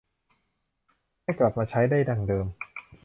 ให้กลับมาใช้ได้ดังเดิม